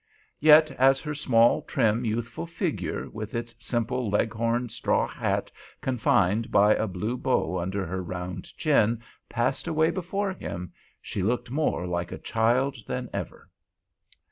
Yet as her small, trim, youthful figure, with its simple Leghorn straw hat confined by a blue bow under her round chin, passed away before him, she looked more like a child than ever.